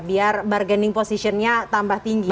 biar bargaining positionnya tambah tinggi